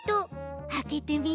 あけてみて！